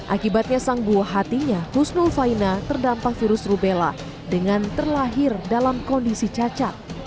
akibatnya sang buah hatinya husnul faina terdampak virus rubella dengan terlahir dalam kondisi cacat